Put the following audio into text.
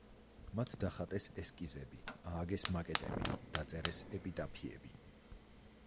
მათ დახატეს ესკიზები, ააგეს მაკეტები, დაწერეს ეპიტაფიები.